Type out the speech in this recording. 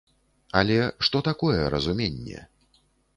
Але што такое разуменне?